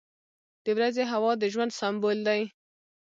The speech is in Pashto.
• د ورځې هوا د ژوند سمبول دی.